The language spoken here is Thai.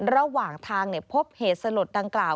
ระหว่างทางพบเหตุสลดดังกล่าว